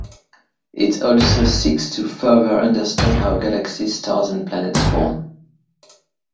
It also seeks to further understand how galaxies, stars and planets form.